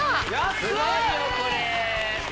すごいよこれ。